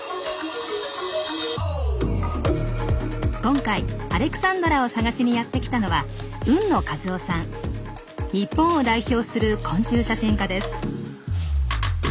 今回アレクサンドラを探しにやって来たのは日本を代表する昆虫写真家です。